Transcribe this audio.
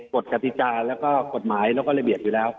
กฎกติกาแล้วก็กฎหมายแล้วก็ระเบียบอยู่แล้ว